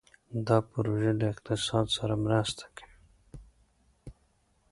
دا پروژه له اقتصاد سره مرسته کوي.